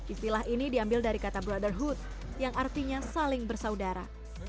istilah ini diambil dari kata brotherhood yang artinya saling bersaudara